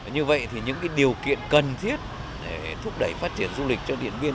như vậy thì những điều kiện cần thiết để thúc đẩy phát triển du lịch cho điện biên